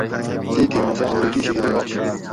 تیتھی اُوں سہۤ امریکی شہری آش